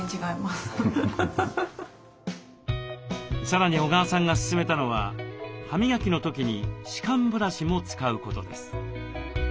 さらに小川さんが勧めたのは歯磨きの時に歯間ブラシも使うことです。